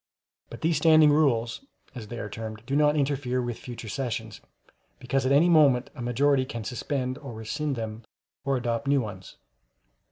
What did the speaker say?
But these Standing Rules, as they are termed, do not interfere with future sessions, because at any moment a majority can suspend or rescind them, or adopt new ones.